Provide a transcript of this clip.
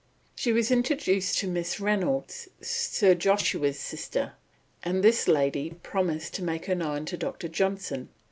She was introduced to Miss Reynolds, Sir Joshua's sister, and this lady promised to make her known to Dr. Johnson.